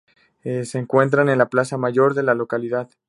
Se encuentra en la plaza mayor de la localidad.